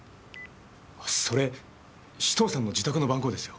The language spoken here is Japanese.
それ紫藤さんの自宅の番号ですよ。